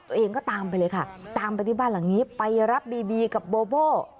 ตัวเองก็ตามไปเลยค่ะตามไปที่บ้านหลังนี้ไปรับบีบีกับโบโบ้